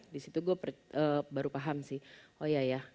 disitu gue baru paham sih